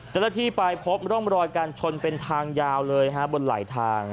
เจ้าหน้าที่ปลายพบร่วมรอยกันชนเป็นทางยาวเลยบนไหล่ทาง